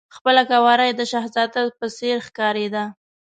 خپله قواره یې د شهزاده په څېر ښکارېده.